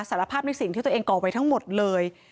สารภาพในสิ่งที่ตัวเองก่อไว้ทั้งหมดเลย